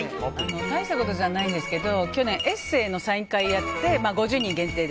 大したことじゃないんですけど去年、エッセーのサイン会やって５０人限定で。